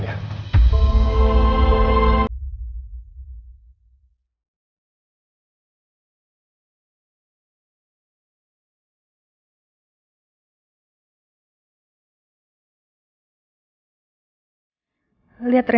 tidak ada apa apa